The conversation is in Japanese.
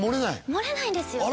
漏れないんですよ